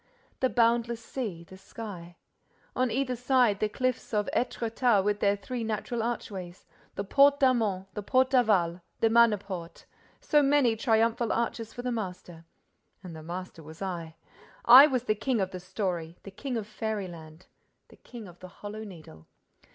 The boundless sea—the sky.—On either side, the cliffs of Étretat with their three natural archways: the Porte d'Armont, the Porte d'Aval, the Manneporte—so many triumphal arches for the master. And the master was I! I was the king of the story, the king of fairyland, the king of the Hollow Needle!